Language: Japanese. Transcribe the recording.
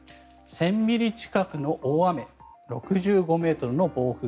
１０００ミリ近くの大雨６５ｍの暴風